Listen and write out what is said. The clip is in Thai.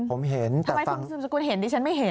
ทำไมคุณสุมสกุลเห็นฉันไม่เห็น